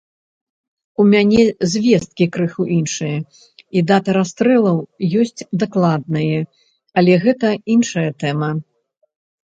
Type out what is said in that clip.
У мяне звесткі крыху іншыя, і дата расстрэлаў ёсць дакладная, але гэта іншая тэма.